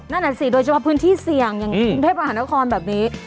นั่นแหละสิโดยเฉพาะพื้นที่เสี่ยงอย่างเพศประหลาดนครแบบนี้